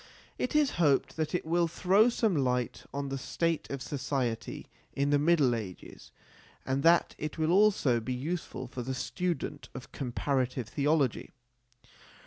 It is hoped that it will throw some light on the state of society in the Middle Ages and that it will also be useful for the student of comparative theology.